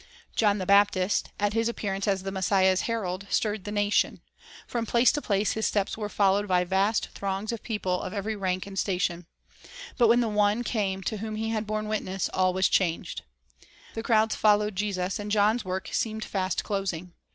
John the Baptist, at his appearance as the Messiah's rhe Unwavering herald, stirred the nation. From place to place his steps witness were followed by vast throngs of people of every rank and station. But when the One came to whom he had borne witness, all was changed. The crowds followed Jesus, and John's work seemed fast closing.